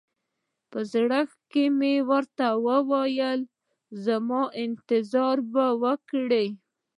په زړه کښې مې ورته وويل زما انتظار به وکړې.